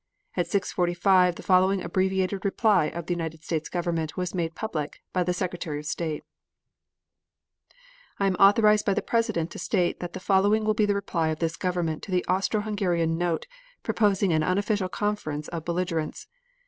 At 6.45 the following abbreviated reply of the United States Government was made public, by the Secretary of State: I am authorized by the President to state that the following will be the reply of this government to the Austro Hungarian note proposing an unofficial conference of belligerents.